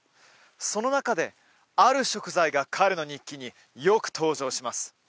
その中である食材が彼の日記によく登場します